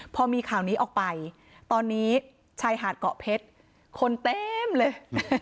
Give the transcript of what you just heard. พอมีข่าวนี้ออกไปตอนนี้ชายหาดเกาะเพชรคนเต็มเลย